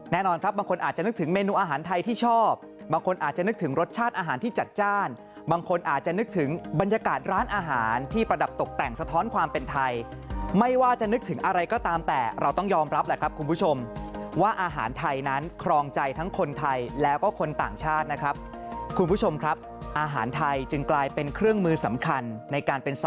แน่นอนครับบางคนอาจจะนึกถึงเมนูอาหารไทยที่ชอบบางคนอาจจะนึกถึงรสชาติอาหารที่จัดจ้านบางคนอาจจะนึกถึงบรรยากาศร้านอาหารที่ประดับตกแต่งสะท้อนความเป็นไทยไม่ว่าจะนึกถึงอะไรก็ตามแต่เราต้องยอมรับแหละครับคุณผู้ชมว่าอาหารไทยนั้นครองใจทั้งคนไทยแล้วก็คนต่างชาตินะครับคุณผู้ชมครับอาหารไทยจึงกลายเป็นเครื่องมือสำคัญในการเป็นส